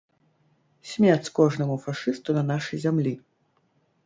Смерць кожнаму фашысту на нашай зямлі!